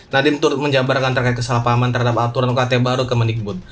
nadiem turut menjabarkan terkait kesalahpahaman terhadap aturan ukt baru kemendikbud